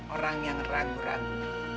orang yang ragu ragu